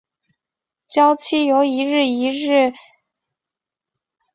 醮期由一日一夜至五日六夜不等。